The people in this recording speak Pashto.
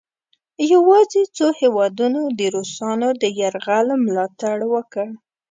یواځې څو هیوادونو د روسانو د یرغل ملا تړ وکړ.